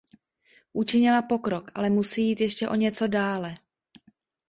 Učinila pokrok, ale musí jít ještě o něco dále.